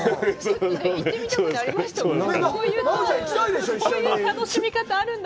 行ってみたくなりましたよね。